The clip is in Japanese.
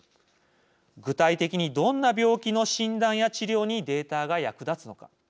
具体的にどんな病気の診断や治療にデータが役立つのか。